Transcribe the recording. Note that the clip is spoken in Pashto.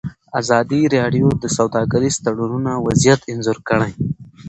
ازادي راډیو د سوداګریز تړونونه وضعیت انځور کړی.